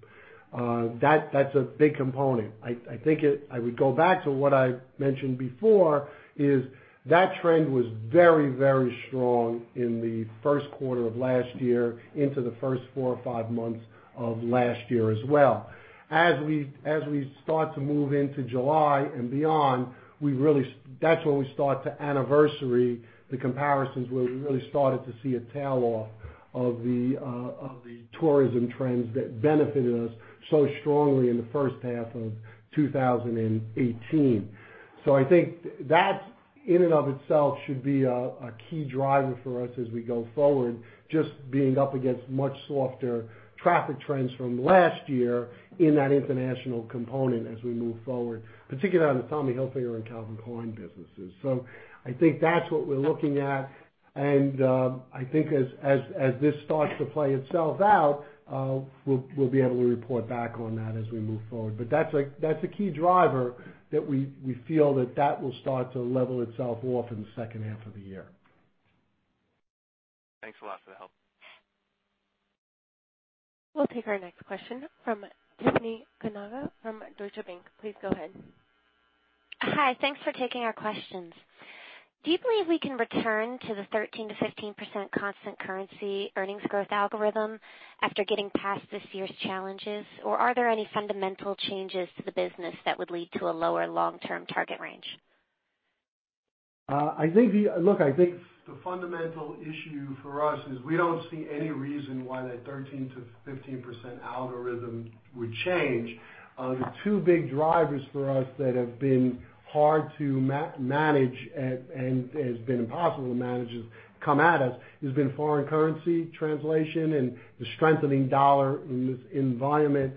That's a big component. I think I would go back to what I mentioned before is that trend was very, very strong in the first quarter of last year into the first four or five months of last year as well. As we start to move into July and beyond, that's when we start to anniversary the comparisons where we really started to see a tail off of the tourism trends that benefited us so strongly in the first half of 2018. I think that in and of itself should be a key driver for us as we go forward, just being up against much softer traffic trends from last year in that international component as we move forward, particularly on the Tommy Hilfiger and Calvin Klein businesses. I think that's what we're looking at, I think as this starts to play itself out, we'll be able to report back on that as we move forward. That's a key driver that we feel that will start to level itself off in the second half of the year. Thanks a lot for the help. We'll take our next question from Tiffany Kanaga from Deutsche Bank. Please go ahead. Hi. Thanks for taking our questions. Do you believe we can return to the 13%-15% constant currency earnings growth algorithm after getting past this year's challenges? Are there any fundamental changes to the business that would lead to a lower long-term target range? Look, I think the fundamental issue for us is we don't see any reason why that 13%-15% algorithm would change. The two big drivers for us that have been hard to manage, has been impossible to manage, has come at us, has been foreign currency translation and the strengthening dollar in this environment,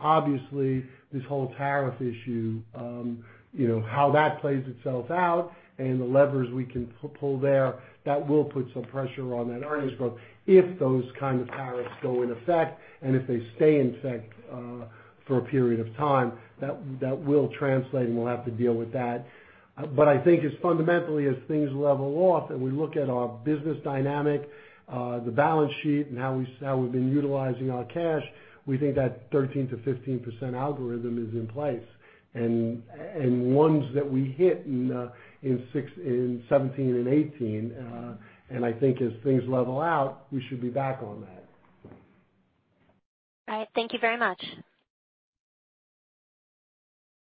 obviously this whole tariff issue. How that plays itself out and the levers we can pull there, that will put some pressure on that earnings growth if those kinds of tariffs go in effect if they stay in effect for a period of time, that will translate, we'll have to deal with that. I think as fundamentally as things level off and we look at our business dynamic, the balance sheet, and how we've been utilizing our cash, we think that 13%-15% algorithm is in place, and ones that we hit in 2017 and 2018. I think as things level out, we should be back on that. All right. Thank you very much.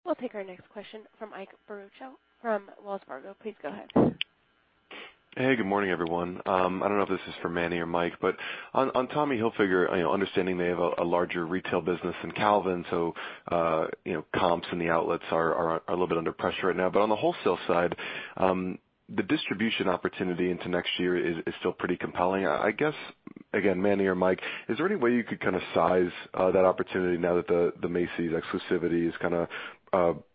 We'll take our next question from Ike Boruchow from Wells Fargo. Please go ahead. Hey, good morning, everyone. I don't know if this is for Manny or Mike, but on Tommy Hilfiger, understanding they have a larger retail business than Calvin, so comps in the outlets are a little bit under pressure right now. On the wholesale side, the distribution opportunity into next year is still pretty compelling, I guess. Again, Manny or Mike, is there any way you could size that opportunity now that the Macy's exclusivity is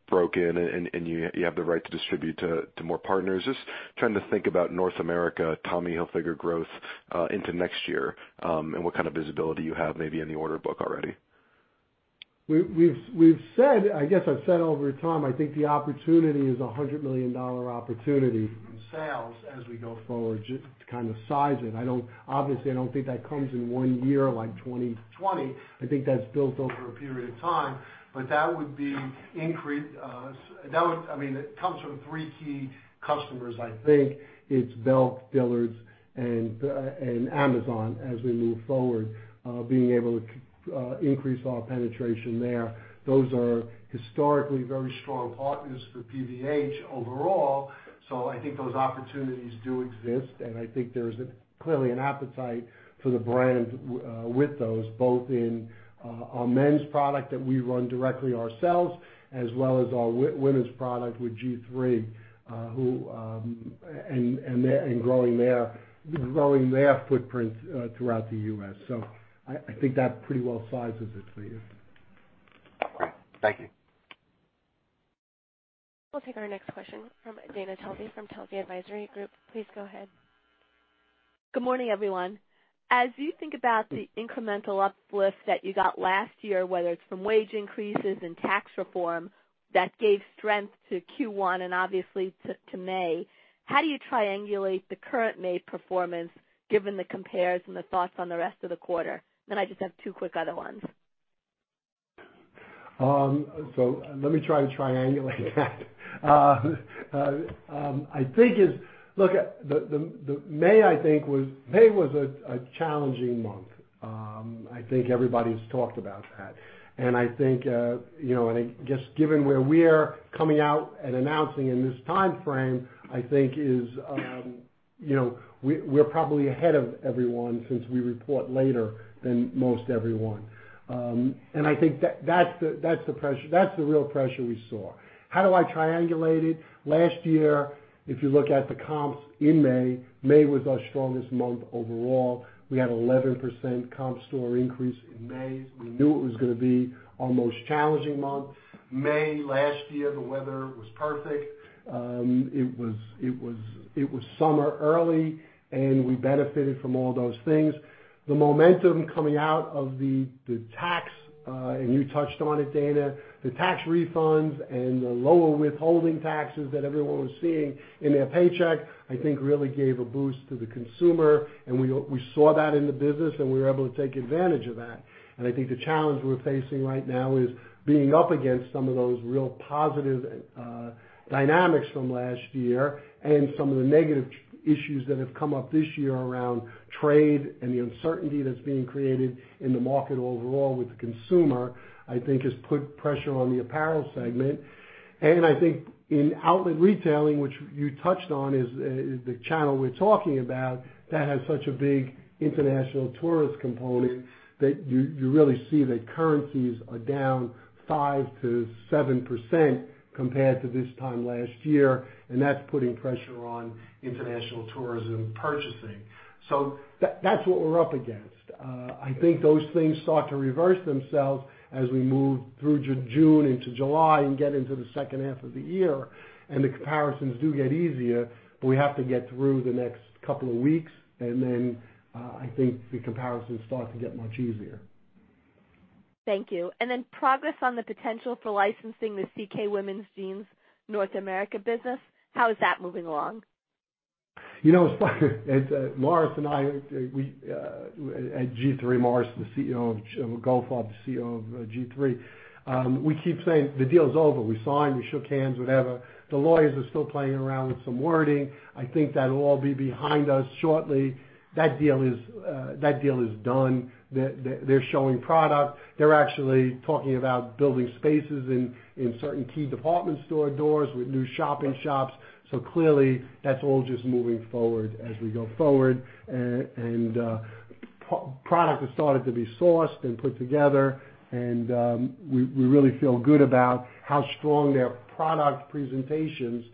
broken and you have the right to distribute to more partners? Just trying to think about North America, Tommy Hilfiger growth into next year, and what kind of visibility you have maybe in the order book already. We've said, I guess I've said over time, I think the opportunity is a $100 million opportunity in sales as we go forward, just to size it. Obviously, I don't think that comes in one year like 2020. I think that's built over a period of time. It comes from three key customers, I think. It's Belk, Dillard's, and Amazon as we move forward, being able to increase our penetration there. Those are historically very strong partners for PVH overall. I think those opportunities do exist, and I think there's clearly an appetite for the brand with those, both in our men's product that we run directly ourselves, as well as our women's product with G-III, and growing their footprint throughout the U.S. So I think that pretty well sizes it for you. Great. Thank you. We'll take our next question from Dana Telsey from Telsey Advisory Group. Please go ahead. Good morning, everyone. As you think about the incremental uplift that you got last year, whether it's from wage increases and tax reform that gave strength to Q1 and obviously to May, how do you triangulate the current May performance given the compares and the thoughts on the rest of the quarter? I just have two quick other ones. Let me try to triangulate that. May was a challenging month. I think everybody's talked about that, I think, just given where we are coming out and announcing in this timeframe, we're probably ahead of everyone since we report later than most everyone. I think that's the real pressure we saw. How do I triangulate it? Last year, if you look at the comps in May was our strongest month overall. We had 11% comp store increase in May. We knew it was gonna be our most challenging month. May last year, the weather was perfect. It was summer early, and we benefited from all those things. The momentum coming out of the tax, you touched on it, Dana, the tax refunds and the lower withholding taxes that everyone was seeing in their paycheck, I think really gave a boost to the consumer, and we saw that in the business, and we were able to take advantage of that. I think the challenge we're facing right now is being up against some of those real positive dynamics from last year and some of the negative issues that have come up this year around trade and the uncertainty that's being created in the market overall with the consumer, I think has put pressure on the apparel segment. I think in outlet retailing, which you touched on, is the channel we're talking about that has such a big international tourist component that you really see the currencies are down 5%-7% compared to this time last year, and that's putting pressure on international tourism purchasing. That's what we're up against. I think those things start to reverse themselves as we move through June into July and get into the second half of the year, the comparisons do get easier, but we have to get through the next couple of weeks, then, I think the comparisons start to get much easier. Thank you. Then progress on the potential for licensing the CK women's jeans North America business, how is that moving along? Morris and I, at G-III, Morris, the CEO of G-III, we keep saying the deal is over. We signed, we shook hands, whatever. The lawyers are still playing around with some wording. I think that'll all be behind us shortly. That deal is done. They're showing product. They're actually talking about building spaces in certain key department store doors with new shop-in-shops. Clearly, that's all just moving forward as we go forward. Product has started to be sourced and put together, and we really feel good about how strong their product presentations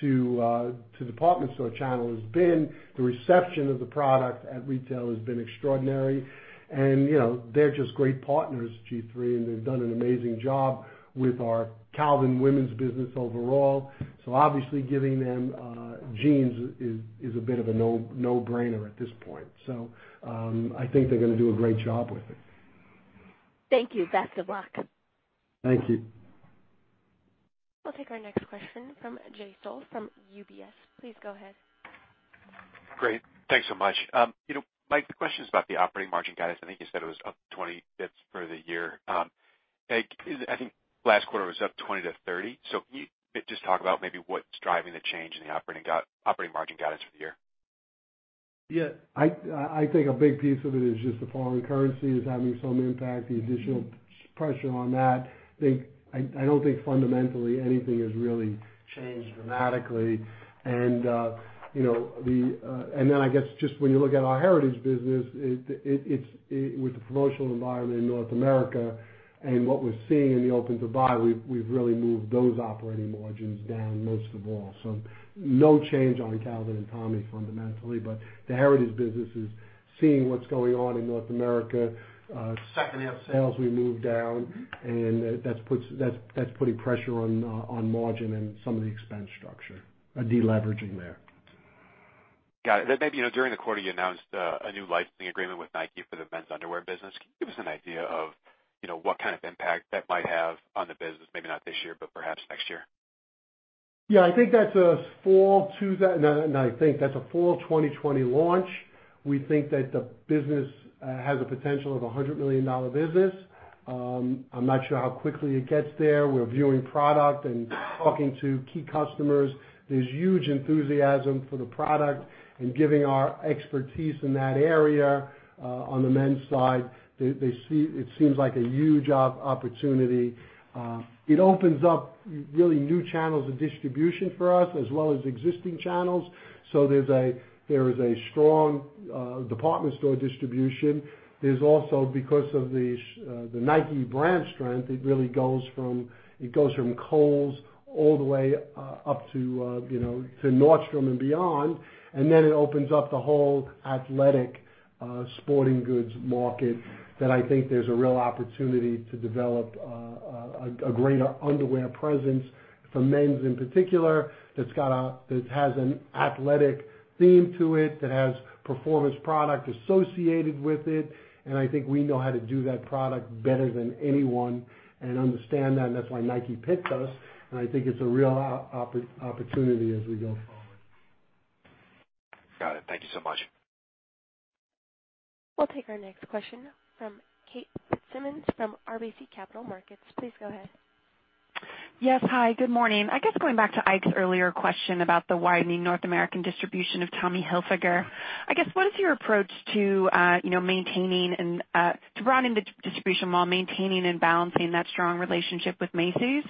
to department store channel has been. The reception of the product at retail has been extraordinary. They're just great partners, G-III, and they've done an amazing job with our Calvin women's business overall. Obviously, giving them jeans is a bit of a no-brainer at this point. I think they're gonna do a great job with it. Thank you. Best of luck. Thank you. We'll take our next question from Jay Sole from UBS. Please go ahead. Great. Thanks so much. Mike, the question's about the operating margin guidance. I think you said it was up 20 basis points for the year. I think last quarter was up 20-30 basis points. Can you just talk about maybe what's driving the change in the operating margin guidance for the year? Yeah. I think a big piece of it is just the foreign currency is having some impact, the additional pressure on that. I don't think fundamentally anything has really changed dramatically. I guess just when you look at our Heritage business, with the promotional environment in North America and what we're seeing in the open to buy, we've really moved those operating margins down most of all. No change on Calvin and Tommy fundamentally, but the Heritage business is seeing what's going on in North America. Second half sales, we moved down, and that's putting pressure on margin and some of the expense structure, a deleveraging there. Got it. Maybe during the quarter, you announced a new licensing agreement with Nike for the men's underwear business. Can you give us an idea of what kind of impact that might have on the business, maybe not this year, but perhaps next year? I think that's a fall 2020 launch. We think that the business has a potential of a $100 million business. I'm not sure how quickly it gets there. We're viewing product and talking to key customers. There's huge enthusiasm for the product and giving our expertise in that area on the men's side. It seems like a huge opportunity. It opens up really new channels of distribution for us as well as existing channels. There is a strong department store distribution. There's also, because of the Nike brand strength, it really goes from Kohl's all the way up to Nordstrom and beyond. It opens up the whole athletic sporting goods market that I think there's a real opportunity to develop a greater underwear presence for men's in particular, that has an athletic theme to it, that has performance product associated with it. I think we know how to do that product better than anyone and understand that. That's why Nike picked us. I think it's a real opportunity as we go forward. Got it. Thank you so much. We'll take our next question from Kate Fitzsimons from RBC Capital Markets. Please go ahead. Yes. Hi, good morning. I guess going back to Ike's earlier question about the widening North American distribution of Tommy Hilfiger, I guess what is your approach to broadening the distribution while maintaining and balancing that strong relationship with Macy's?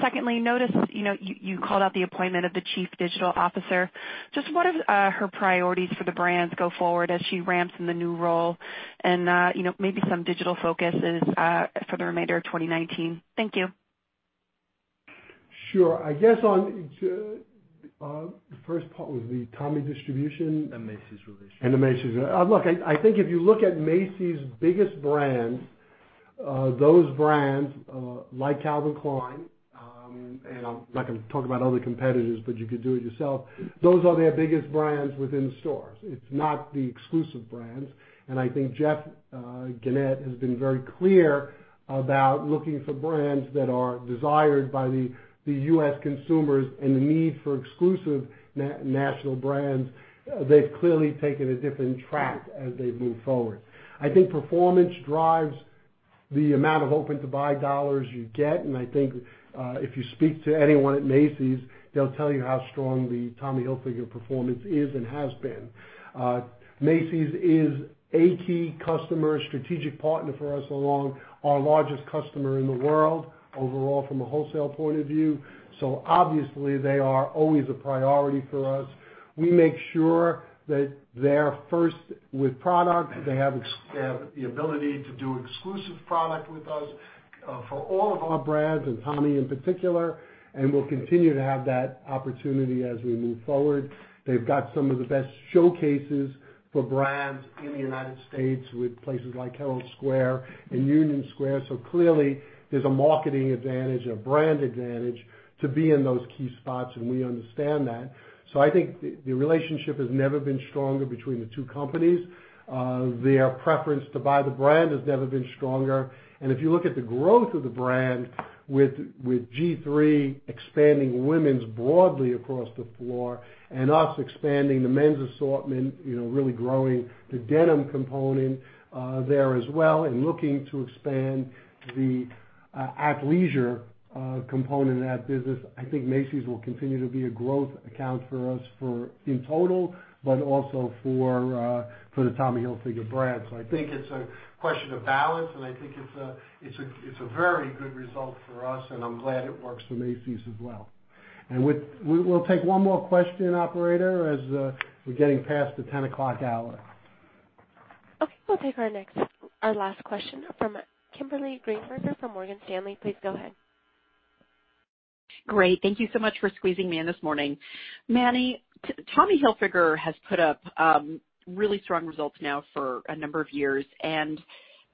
Secondly, noticed you called out the appointment of the Chief Digital Officer. Just what are her priorities for the brands go forward as she ramps in the new role and maybe some digital focuses for the remainder of 2019? Thank you. Sure. I guess on the first part was the Tommy distribution? Macy's relationship. The Macy's. Look, I think if you look at Macy's biggest brands, those brands, like Calvin Klein, I'm not going to talk about other competitors, you could do it yourself. Those are their biggest brands within stores. It's not the exclusive brands. I think Jeff Gennette has been very clear about looking for brands that are desired by the U.S. consumers and the need for exclusive national brands. They've clearly taken a different track as they move forward. I think performance drives the amount of open-to-buy dollars you get, I think, if you speak to anyone at Macy's, they'll tell you how strong the Tommy Hilfiger performance is and has been. Macy's is a key customer, strategic partner for us along, our largest customer in the world overall from a wholesale point of view. Obviously they are always a priority for us. We make sure that they're first with product. They have the ability to do exclusive product with us for all of our brands and Tommy in particular, and will continue to have that opportunity as we move forward. They've got some of the best showcases for brands in the U.S. with places like Herald Square and Union Square. Clearly there's a marketing advantage and a brand advantage to be in those key spots, and we understand that. I think the relationship has never been stronger between the two companies. Their preference to buy the brand has never been stronger. If you look at the growth of the brand with G-III expanding women's broadly across the floor and us expanding the men's assortment, really growing the denim component there as well, and looking to expand the athleisure component of that business. I think Macy's will continue to be a growth account for us in total, but also for the Tommy Hilfiger brand. I think it's a question of balance, and I think it's a very good result for us, and I'm glad it works for Macy's as well. We'll take one more question, operator, as we're getting past the 10 o'clock hour. Okay. We'll take our last question from Kimberly Greenberger from Morgan Stanley. Please go ahead. Great. Thank you so much for squeezing me in this morning. Manny, Tommy Hilfiger has put up really strong results now for a number of years, and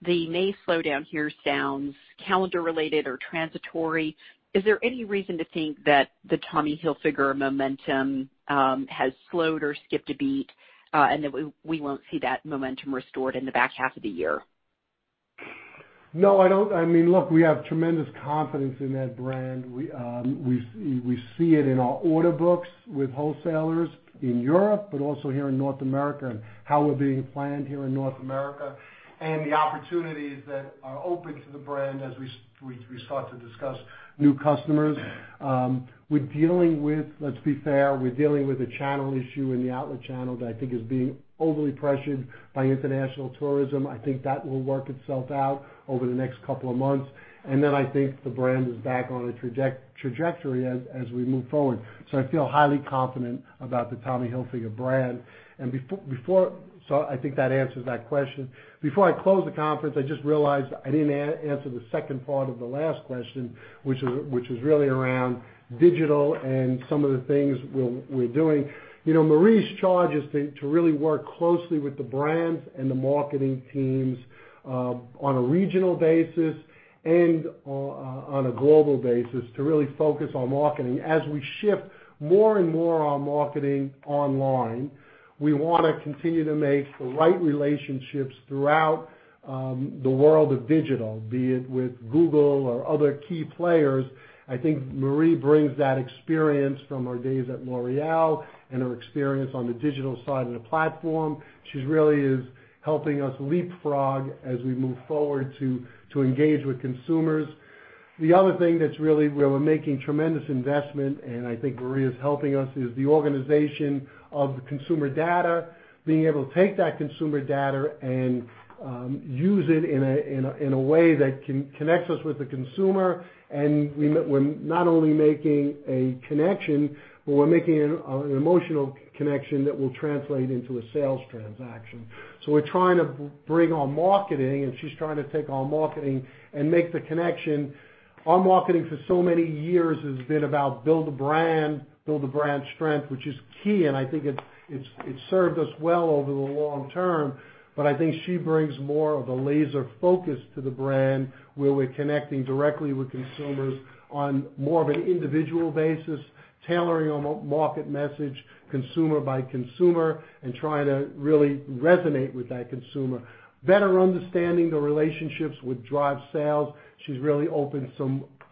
the May slowdown here sounds calendar related or transitory. Is there any reason to think that the Tommy Hilfiger momentum has slowed or skipped a beat, and that we won't see that momentum restored in the back half of the year? No, I don't. Look, we have tremendous confidence in that brand. We see it in our order books with wholesalers in Europe, but also here in North America, and how we're being planned here in North America, and the opportunities that are open to the brand as we start to discuss new customers. Let's be fair, we're dealing with a channel issue in the outlet channel that I think is being overly pressured by international tourism. I think that will work itself out over the next couple of months. I think the brand is back on a trajectory as we move forward. I feel highly confident about the Tommy Hilfiger brand. I think that answers that question. Before I close the conference, I just realized I didn't answer the second part of the last question, which is really around digital and some of the things we're doing. Marie's charge is to really work closely with the brands and the marketing teams, on a regional basis and on a global basis to really focus on marketing. As we shift more and more on marketing online, we want to continue to make the right relationships throughout the world of digital, be it with Google or other key players. I think Marie brings that experience from her days at L'Oréal and her experience on the digital side of the platform. She really is helping us leapfrog as we move forward to engage with consumers. The other thing that's really, where we're making tremendous investment, and I think Marie's helping us, is the organization of the consumer data, being able to take that consumer data and use it in a way that connects us with the consumer. We're not only making a connection, but we're making an emotional connection that will translate into a sales transaction. We're trying to bring our marketing, and she's trying to take our marketing and make the connection. Our marketing for so many years has been about build a brand, build a brand strength, which is key, and I think it's served us well over the long term. I think she brings more of a laser focus to the brand, where we're connecting directly with consumers on more of an individual basis, tailoring our market message consumer by consumer, and trying to really resonate with that consumer. Better understanding the relationships would drive sales. She's really opened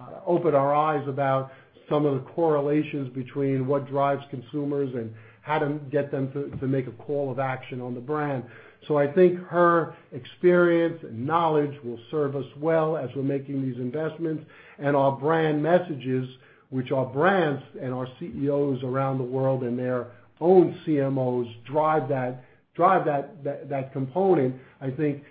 our eyes about some of the correlations between what drives consumers and how to get them to make a call of action on the brand. I think her experience and knowledge will serve us well as we're making these investments. Our brand messages, which our brands and our CEOs around the world and their own CMOs drive that component, I think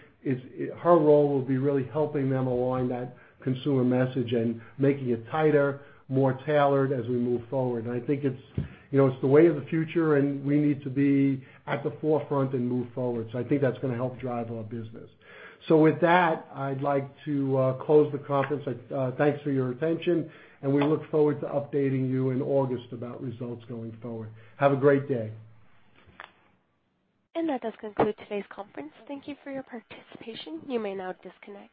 her role will be really helping them align that consumer message and making it tighter, more tailored as we move forward. I think it's the way of the future, and we need to be at the forefront and move forward. I think that's going to help drive our business. With that, I'd like to close the conference. Thanks for your attention, and we look forward to updating you in August about results going forward. Have a great day. That does conclude today's conference. Thank you for your participation. You may now disconnect.